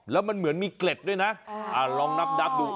แล้วมันเหมือนมีเกล็ดด้วยนะลองนับดู